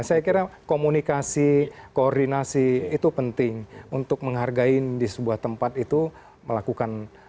saya kira komunikasi koordinasi itu penting untuk menghargai di sebuah tempat itu melakukan